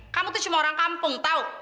kamu tuh cuma orang kampung tahu